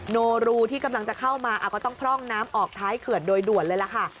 โนรูที่กำลังจะเข้ามาก็ต้องพร่องน้ำออกท้ายเขื่อนโดยด่วนเลยล่ะค่ะ